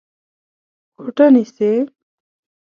کوټه نيسې؟